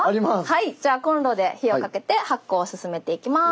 じゃあコンロで火をかけて発酵を進めていきます。